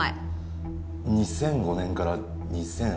２００５年から２００８年まで。